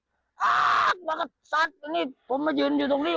อ้าาามาก็สัดนี่ผมมายืนอยู่ตรงนี้